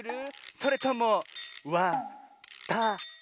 それともわ・た・あ・め？